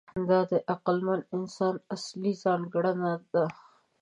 دا د عقلمن انسان اصلي ځانګړنه ده.